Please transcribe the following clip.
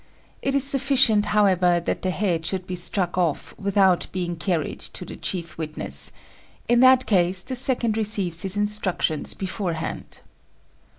It is sufficient, however, that the head should be struck off without being carried to the chief witness; in that case, the second receives his instructions beforehand.